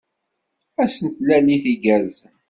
Ass n tlalit igerrzen.